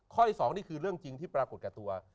สองนี่คือเรื่องจริงที่ปรากฏกับตัว